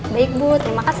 baik bu terima kasih